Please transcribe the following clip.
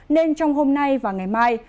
nên trong hôm nay và ngày mai